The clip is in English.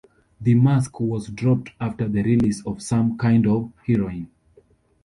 The mask was dropped after the release of "Some Kind of Heroin".